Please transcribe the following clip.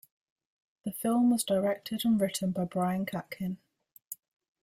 The film was directed and written by Brian Katkin.